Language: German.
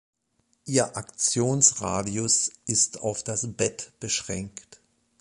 Ihr Aktionsradius ist auf das Bett beschränkt.